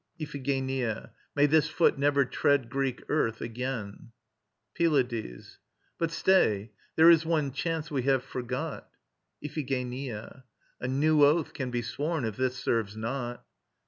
IPHIGENIA. May this foot never tread Greek earth again. PYLADES. But stay: there is one chance we have forgot. IPHIGENIA. A new oath can be sworn, if this serve not.